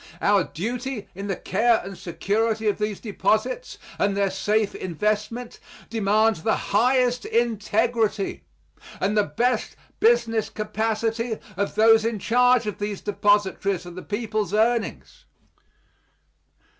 Our duty in the care and security of these deposits and their safe investment demands the highest integrity and the best business capacity of those in charge of these depositories of the people's earnings.